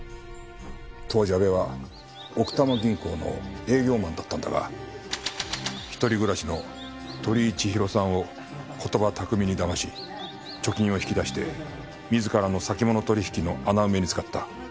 当時阿部は奥多摩銀行の営業マンだったんだが一人暮らしの鳥居千尋さんを言葉巧みに騙し貯金を引き出して自らの先物取引の穴埋めに使った。